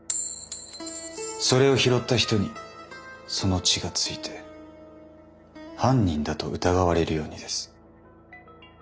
それを拾った人にその血が付いて犯人だと疑われるようにです。